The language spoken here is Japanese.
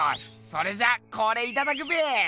それじゃあこれいただくべ！